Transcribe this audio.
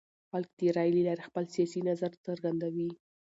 خلک د رایې له لارې خپل سیاسي نظر څرګندوي